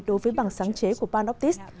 đối với bằng sáng chế của panoptix